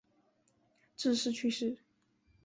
致仕去世。